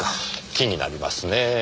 気になりますねぇ。